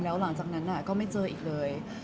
แล้วหลังจากนั้นก็ไม่เจออีกเลย